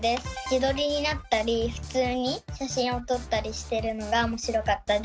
自撮りになったり普通に写真を撮ったりしてるのが面白かったです。